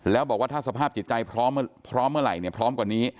แล้วบอกว่าถ้าสภาพจิตใจพร้อมเมื่อไหร่เนี่ยพร้อมกว่านี้